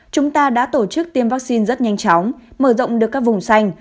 chúng ta đã tổ chức tiêm vaccine rất nhanh chóng mở rộng được các vùng xanh